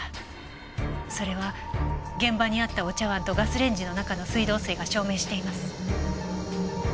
それは現場にあったお茶碗とガスレンジの中の水道水が証明しています。